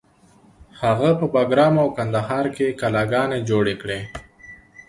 هغه په بګرام او کندهار کې کلاګانې جوړې کړې